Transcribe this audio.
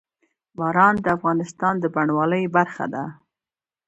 باران د افغانستان د بڼوالۍ برخه ده.